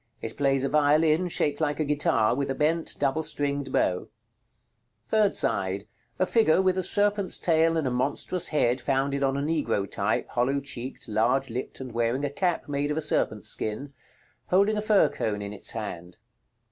It plays a violin, shaped like a guitar, with a bent double stringed bow. Third side. A figure with a serpent's tail and a monstrous head, founded on a Negro type, hollow cheeked, large lipped, and wearing a cap made of a serpent's skin, holding a fir cone in its hand.